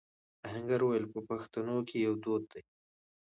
آهنګر وويل: په پښتنو کې يو دود دی.